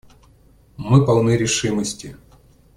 Мы полны решимости.